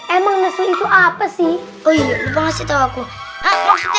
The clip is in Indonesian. emang itu apa sih